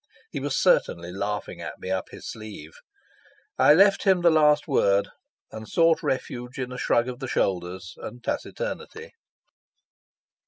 He was certainly laughing at me up his sleeve. I left him the last word, and sought refuge in a shrug of the shoulders and taciturnity.